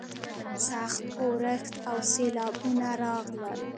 سخت اورښت او سیلاوونه راغلل.